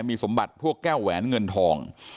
มีสมบัติพวกแก้วแหวนเงินทอง